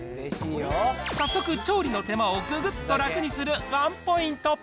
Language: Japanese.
早速調理の手間をぐぐっと楽にするワンポイント。